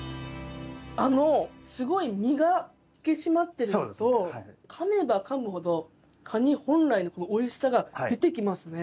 あのすごい身が引き締まってるのとかめばかむほどカニ本来のおいしさが出てきますね。